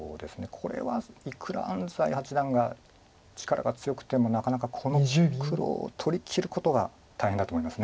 これはいくら安斎八段が力が強くてもなかなかこの黒を取りきることが大変だと思います。